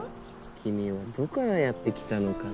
君はどこからやってきたのかな？